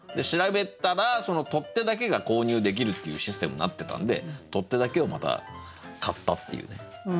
調べたら取っ手だけが購入できるっていうシステムになってたんで取っ手だけをまた買ったっていうね。